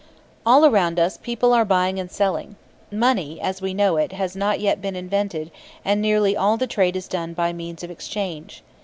All around us people are buying and selling. Money, as we know it, has not yet been invented, and nearly all the trade is done by means of exchange.